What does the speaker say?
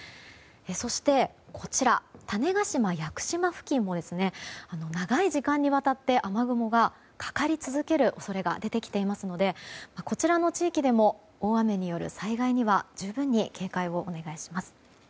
そして種子島、屋久島付近も長い時間にわたって雨雲がかかり続ける恐れが出てきていますのでこちらの地域でも大雨による災害には十分に警戒をお願いします。